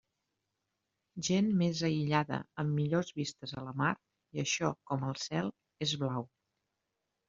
Gent més aïllada, amb millors vistes a la mar, i això, com el cel, és blau.